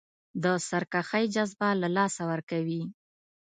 د سرکښۍ جذبه له لاسه ورکوي.